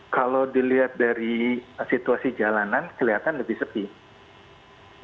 kalau dilihat dari situasi jalanan kelihatan lebih sepi